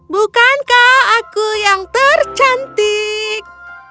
bukankah aku yang tercantik